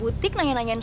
itu ilham ibu kandung